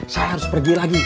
saya harus pergi lagi